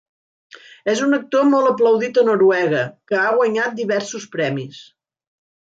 És un actor molt aplaudit a Noruega, que ha guanyat diversos premis.